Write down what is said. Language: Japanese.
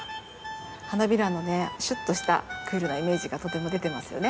花びらのねシュッとしたクールなイメージがとても出てますよね。